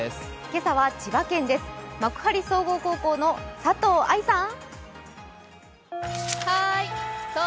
今朝は千葉県です、幕張総合高校の佐藤愛さん。